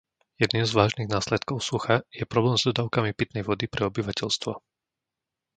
Jedným z vážnych následkov sucha je problém s dodávkami pitnej vody pre obyvateľstvo.